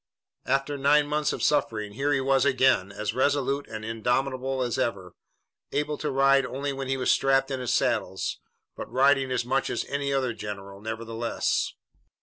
After nine months of suffering, here he was again, as resolute and indomitable as ever, able to ride only when he was strapped in his saddle, but riding as much as any other general, nevertheless.